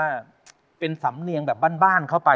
อยากแต่งานกับเธออยากแต่งานกับเธอ